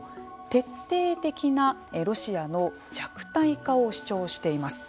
徹底的なロシアの弱体化を主張しています。